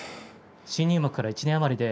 新入幕から１年余りです。